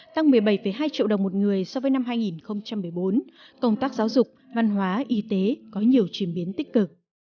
tăng một mươi bảy hai triệu đồng một người so với năm hai nghìn một mươi bốn công tác giáo dục văn hóa y tế có nhiều chuyển biến tích cực